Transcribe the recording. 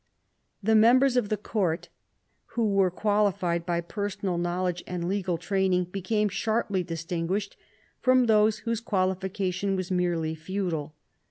The members of the court who were qualified by personal knowledge and legal training became sharply distinguished from those whose qualification was merely feudal.